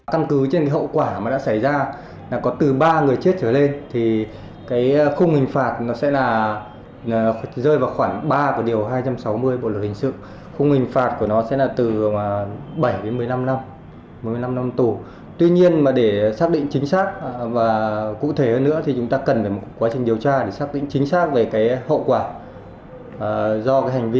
điều tra để xác định chính xác về cái hậu quả do cái hành vi của lái xe gây ra là như thế nào